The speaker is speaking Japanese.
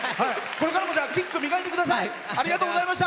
これからもキック磨いてください。